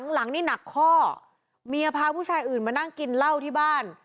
หลังนี่หนักข้อเมียพาผู้ชายอื่นมานั่งกินเหล้าที่บ้าน